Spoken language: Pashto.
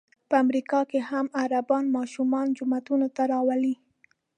په امریکا کې هم عربان ماشومان جوماتونو ته راولي.